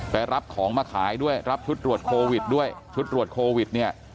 รับของมาขายด้วยรับชุดตรวจโควิดด้วยชุดตรวจโควิดเนี่ย